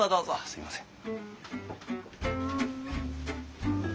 すいません。